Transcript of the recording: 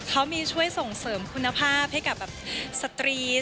เขามีช่วยส่งเสริมคุณภาพให้กับแบบสตรีท